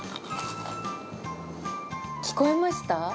聞こえました？